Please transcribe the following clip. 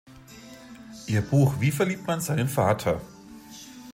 Ihr Buch Wie verliebt man seinen Vater?